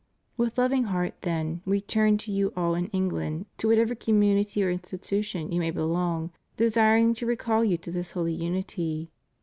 ^ With loving heart, then, We turn to you all in England, to whatever commimity or institution you may belong, desiring to recall you to this holy unity.